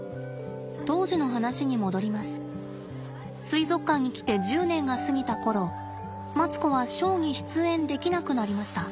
水族館に来て１０年が過ぎた頃マツコはショーに出演できなくなりました。